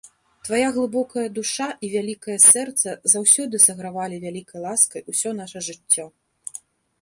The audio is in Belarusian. Твая глыбокая душа і вялікае сэрца заўсёды сагравалі вялікай ласкай усё наша жыццё.